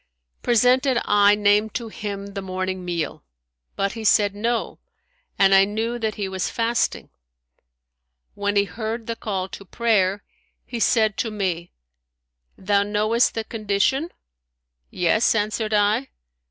Presented I named to him the morning meal; but he said, No;' and I knew that he was fasting.[FN#163] When he heard the call to prayer, he said to me, Thou knowest the condition?' Yes,' answered i.